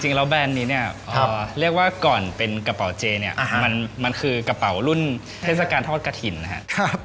จังเล้วกดแบบนี้เนี่ยใครว่าก่อนเป็นกระเป๋าเจนเนี่ยมันมันคือกระเป๋ารุ่นเทศกาลทอดกะถิ่นนะครับครับ